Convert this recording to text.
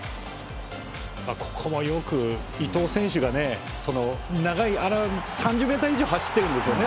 ここもよく、伊東選手が３０ｍ以上走ってるんですよね。